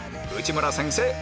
内村先生